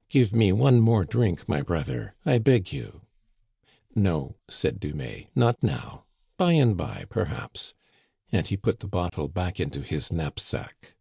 " Give me one more drink, my brother, I beg you." " No," said Dumais, not now ; by and by, per haps." And he put the bottle back into his knap sack.